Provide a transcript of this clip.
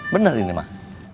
bener ini mah